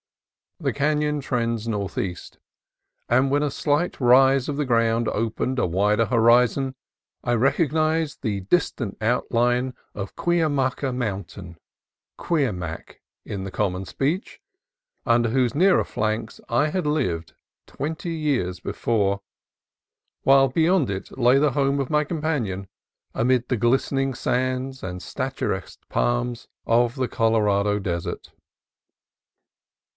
The canon trends northeast, and when a slight rise of the ground opened a wider horizon I recognized the distant outline of Cuya maca Mountain ("Queermack," in the common speech) , under whose nearer flank I had lived twenty years before, while beyond it lay the home of my companion, amid the glistening sands and statuesque palms of the Colorado Desert.